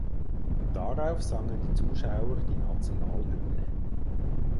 Darauf sangen die Zuschauer die Nationalhymne.